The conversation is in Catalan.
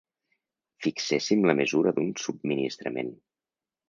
Fixéssim la mesura d'un subministrament.